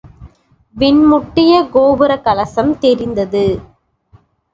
விண்முட்டிய கோபுரக் கலசம் தெரிந்தது.